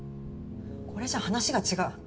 これじゃ話が違う。